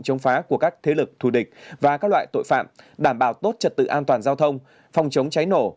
chống phá của các thế lực thù địch và các loại tội phạm đảm bảo tốt trật tự an toàn giao thông phòng chống cháy nổ